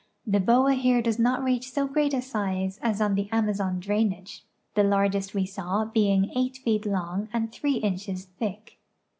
The boa here does not reach so great a size as on the Amazon drainage, the largest we saw being eight feet long and three inches thick.